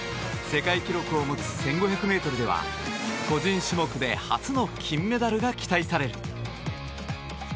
世界記録を持つ１５００ｍでは個人種目で初の金メダルが期待される。